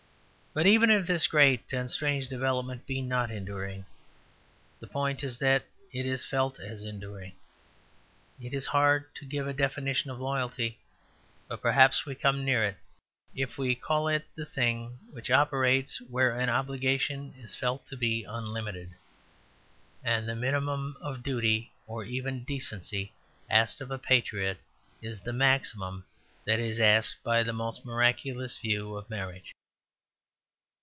But even if this great and strange development be not enduring, the point is that it is felt as enduring. It is hard to give a definition of loyalty, but perhaps we come near it if we call it the thing which operates where an obligation is felt to be unlimited. And the minimum of duty or even decency asked of a patriot is the maximum that is asked by the most miraculous view of marriage.